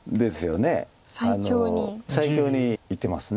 最強にいってます。